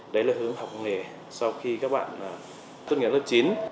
đấy là hướng học nghề sau khi các bạn tốt nghiệp lớp chín